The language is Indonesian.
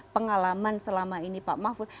pengalaman selama ini pak mahfud